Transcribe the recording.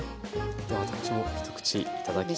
では私も一口いただきます。